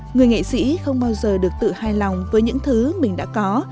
người nghệ sĩ không bao giờ được tự hài lòng với những thứ mình đã có